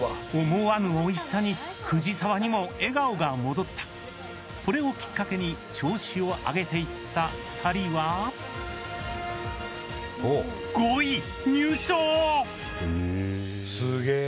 思わぬおいしさに藤澤にも笑顔が戻ったこれをきっかけに調子を上げていった２人はへぇ。